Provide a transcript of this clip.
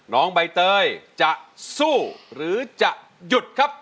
น้องใบเตยจะสู้หรือจะหยุดครับ